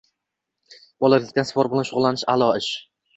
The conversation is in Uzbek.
Bolalikdan sport bilan shug‘ullanish – aʼlo ish.